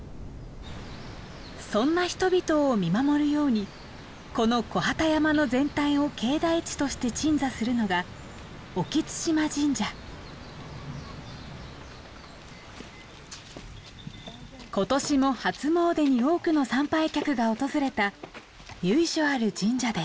そんな人々を見守るようにこの木幡山の全体を境内地として鎮座するのが今年も初詣に多くの参拝客が訪れた由緒ある神社です。